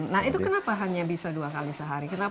nah itu kenapa hanya bisa dua kali sehari